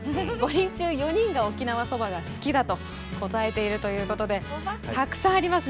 ５人中４人が沖縄そばが好きだと答えているということでたくさんあります。